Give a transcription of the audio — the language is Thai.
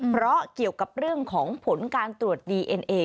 เพราะเกี่ยวกับเรื่องของผลการตรวจดีเอ็นเอ